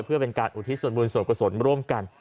เพื่อเป็นการอุทิศส่วนบุญส่วนกุศลร่วมกัน